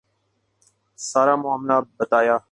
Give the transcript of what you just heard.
سارا معاملہ بتایا۔